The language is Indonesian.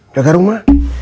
jangan ke rumah